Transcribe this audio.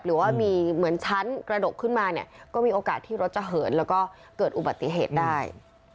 หรือว่ามีเหมือนชั้นกระดกขึ้นมาเนี่ยก็มีโอกาสที่รถจะเหินแล้วก็เกิดอุบัติเหตุได้